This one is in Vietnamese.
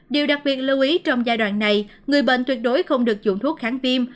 điều đặc biệt lưu ý trong giai đoạn này người bệnh tuyệt đối không được dùng thuốc kháng viêm